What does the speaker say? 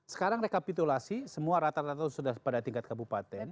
sekarang rekapitulasi semua rata rata sudah pada tingkat kabupaten